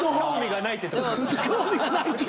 「興味がない」って。